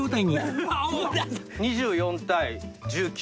２４対１９。